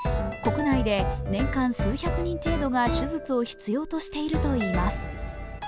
国内で年間数百人程度が手術を必要としているといいます。